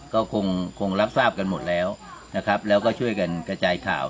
ก็คงรับทราบกันหมดแล้วนะครับแล้วก็ช่วยกันกระจายข่าว